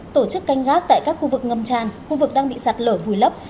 tổ chức canh gác tại các khu vực ngâm tràn khu vực đang bị sạt lở vùi lấp